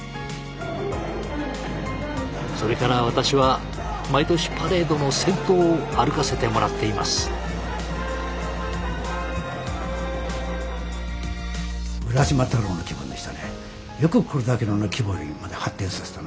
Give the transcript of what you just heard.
それから私は毎年パレードの先頭を歩かせてもらっています。と思っています。